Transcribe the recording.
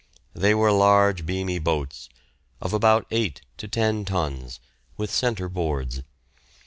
They were large beamy boats, of about eight to ten tons, with centre boards.